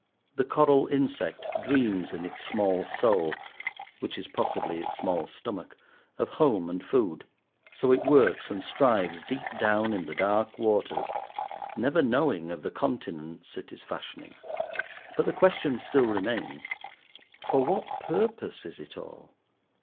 The coral insect dreams in its small soul, which is possibly its small stomach, of home and food. So it works and strives deep down in the dark waters, never knowing of the continents it is fashioning. But the question still remains: for what purpose is it all?